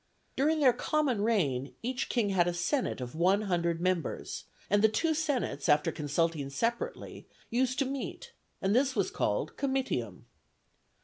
During their common reign, each king had a senate of one hundred members, and the two senates, after consulting separately, used to meet, and this was called comitium.